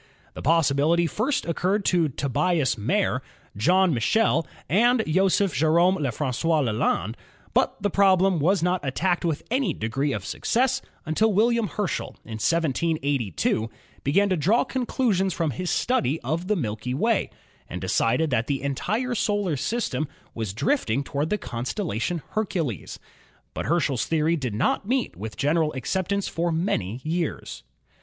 The possibility first occurred to Tobias Mayer (1726), John Michel (1767) and Joseph Jerome Le Francois Lalande (1776), but the prob lem was not attacked with any degree of success until Sir William Herschel in 1782 began to draw conclusions from his study of the Milky Way and decided that the entire solar system was drifting toward the constellation Hercules. But Herschel's theory did not meet with general acceptance for many years.